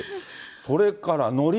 それからのり。